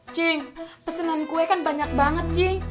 cing pesenan gue kan banyak banget cing